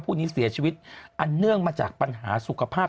ผู้นี้เสียชีวิตอันเนื่องมาจากปัญหาสุขภาพ